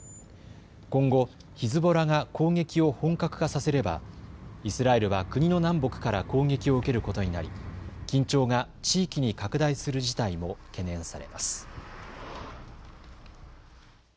今後、ヒズボラが攻撃を本格化させればイスラエルは国の南北から攻撃を受けることになり緊張が地域に拡大する事態も懸念されます。